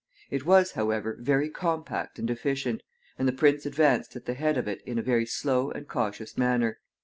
It was, however, very compact and efficient, and the prince advanced at the head of it in a very slow and cautious manner.